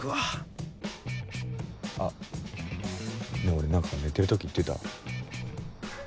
俺何か寝てる時言ってた？